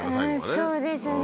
そうですね。